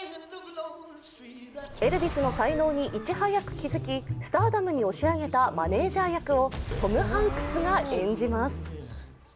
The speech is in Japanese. エルヴィスの才能にいち早く気付き、スターダムに押し上げたマネージャー役をトム・ハンクスが演じます。